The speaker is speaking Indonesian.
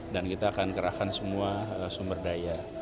dan kita akan gerakan semua sumber daya